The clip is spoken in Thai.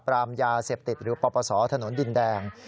ปรามยาเสพติดหรือปปศถนนดินแดง